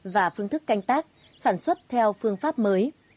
và phương thức canh tác sản xuất theo phương pháp mới